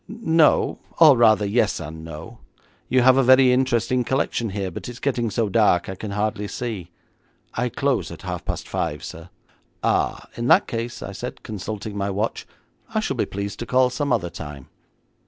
'No, or rather yes and no. You have a very interesting collection here, but it's getting so dark I can hardly see.' 'I close at half past five, sir.' 'Ah, in that case,' I said, consulting my watch, 'I shall be pleased to call some other time.'